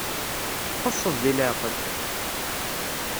Txuṣṣeḍ deg leɛqel!